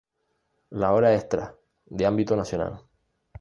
La hora extra’, de ámbito nacional.